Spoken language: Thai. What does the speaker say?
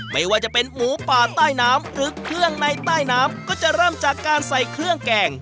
ไม่ว่าจะเป็นหมูป่าใต้น้ำหรือเครื่องในใต้น้ำก็จะเริ่มจากการใส่เครื่องแกง